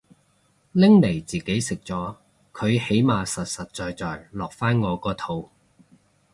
拎嚟自己食咗佢起碼實實在在落返我個肚